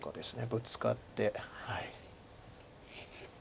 ブツカって。